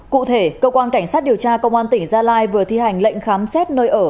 cụ thể cơ quan cảnh sát điều tra công an tỉnh gia lai vừa thi hành lệnh khám xét nơi ở